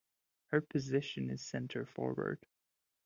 Her position is center forward.